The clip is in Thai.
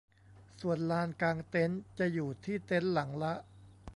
ส่วนลานกางเต็นท์จะอยู่ที่เต็นท์หลังละ